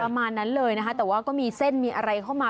ประมาณนั้นเลยนะคะแต่ว่าก็มีเส้นมีอะไรเข้ามา